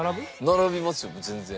並びますよ全然。